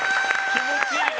気持ちいいね。